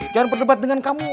jangan berdebat dengan kamu